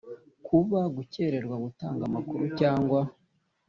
Kuba gukererwa gutanga amakuru cyangwa